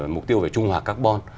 mục tiêu về trung hòa carbon